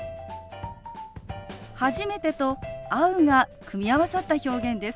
「初めて」と「会う」が組み合わさった表現です。